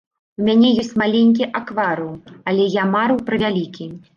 У мяне ёсць маленькі акварыум, але я марыў пра вялікі.